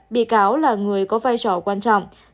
bị cáo là người có vai trò quan trọng